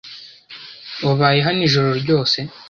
Wabaye hano ijoro ryose?